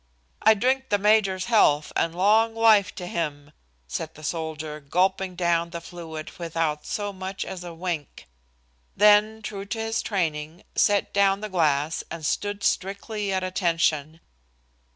"I drink the major's health and long life to him," said the soldier, gulping down the fluid without so much as a wink. Then, true to his training, set down the glass and stood strictly at attention.